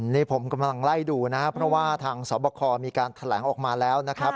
นี่ผมกำลังไล่ดูนะครับเพราะว่าทางสอบคอมีการแถลงออกมาแล้วนะครับ